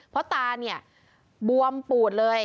เพราะตาเนี่ยบวมปูดเลย